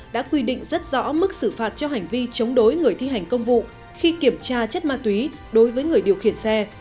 đã quy định rất rõ mức xử phạt cho hành vi chống đối người thi hành công vụ khi kiểm tra chất ma túy đối với người điều khiển xe